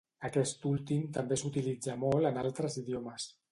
Aquest últim també s'utilitza molt en altres idiomes.